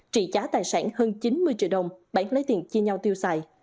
trị giá tài sản hơn chín mươi triệu đồng bán lấy tiền chia nhau tiêu xài